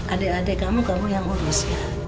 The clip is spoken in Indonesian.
adek adek kamu kamu yang urus ya